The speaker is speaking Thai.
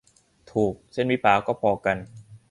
ถูก เส้นวิภาก็พอกัน